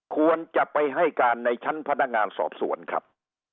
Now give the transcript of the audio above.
ควรจะไปให้การในชั้นพนักงานสอบสวนครับ